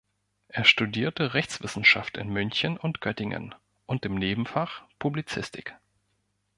Er studierte Rechtswissenschaft in München und Göttingen und im Nebenfach Publizistik.